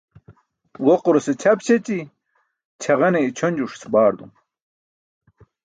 Ġoqurase ćʰap śeći, ćʰagene ićʰonjuṣ baardum.